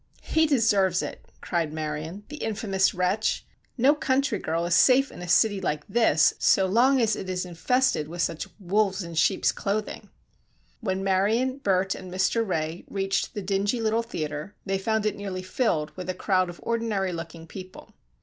"He deserves it," cried Marion, "the infamous wretch! No country girl is safe in a city like this so long as it is infested with such wolves in sheeps' clothing." When Marion, Bert and Mr. Ray reached the dingy little theatre they found it nearly filled with a crowd of ordinary looking people.